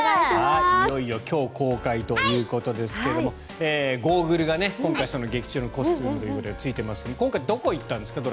いよいよ今日、公開ということですがゴーグルが今回劇中のコスチュームということでついていますけれど今回どこに行ったんですか？